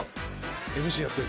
ＭＣやってる。